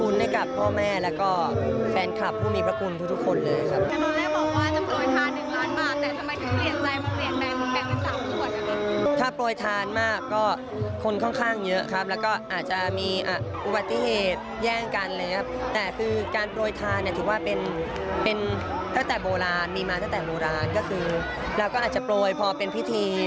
นี่มาตั้งแต่โบราณเราก็อาจจะปล่อยพอเป็นพิธี